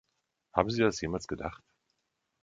Haben Sie das jemals gedacht?